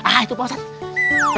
ah itu pak ustadz